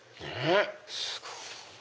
すごい。